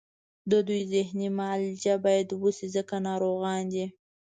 د دوی ذهني معالجه باید وشي ځکه ناروغان دي